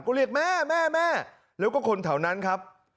ก็เรียกแม่แม่แม่แล้วก็คนแถวนั้นครับ